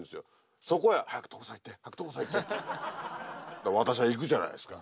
で私は行くじゃないですか。